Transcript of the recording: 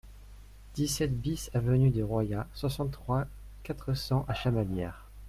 dix-sept BIS avenue de Royat, soixante-trois, quatre cents à Chamalières